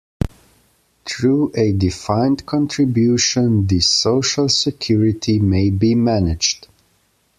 Through a defined contribution, this social security may be managed.